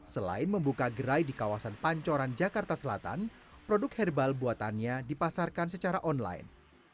selain membuka gerai di kawasan pancoran jakarta selatan produk herbal buatannya dipasarkan secara online